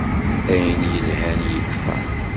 Ayen yelhan ikfa.